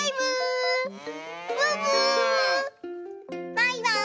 バイバーイ！